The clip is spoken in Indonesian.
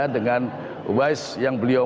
dengan wise yang beliau